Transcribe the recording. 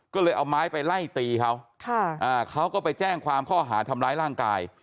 ก็เลยเอาไม้ไปไล่ตีเขาเขาก็ไปแจ้งความข้อหาทำร้ายร่างกาย